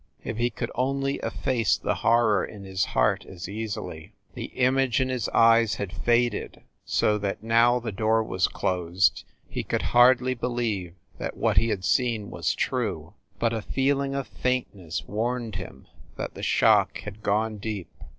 If he could only efface the horror in his heart as easily ! The image in his eyes had faded so that, now the door was closed, he could hardly be lieve that what he had seen was true, but a feeling of faintness warned him that the shock had gone deep.